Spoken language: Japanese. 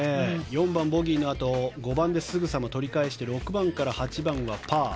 ４番、ボギーのあと５番ですぐさま取り返して６番から８番はパー。